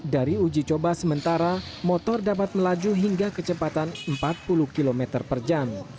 dari uji coba sementara motor dapat melaju hingga kecepatan empat puluh km per jam